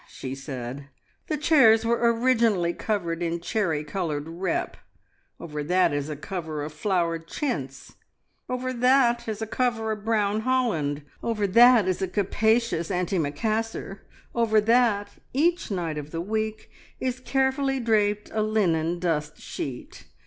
she said. "The chairs were originally covered in cherry coloured repp, over that is a cover of flowered chintz, over that is a cover of brown holland, over that is a capacious antimacassar, over that, each night of the week, is carefully draped a linen dust sheet.